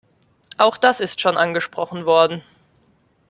Auch das ist schon angesprochen worden.